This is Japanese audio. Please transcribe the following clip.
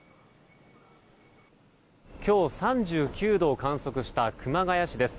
今日、３９度を観測した熊谷市です。